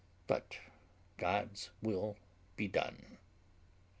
but God's will be done."